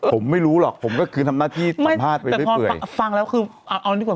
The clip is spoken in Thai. ผมไม่รู้หรอกผมก็คือทำหน้าที่สัมภาษณ์ฟังแล้วคือเอานี่กว่า